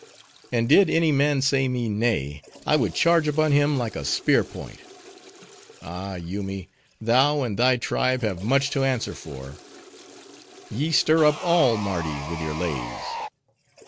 And did any man say me nay, I would charge upon him like a spear point. Ah, Yoomy, thou and thy tribe have much to answer for; ye stir up all Mardi with your lays.